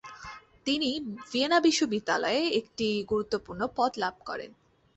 তিনি ভিয়েনা বিশ্ববিদ্যালয়ে একটি গুরুত্বপূর্ণ পদ লাভ করেন।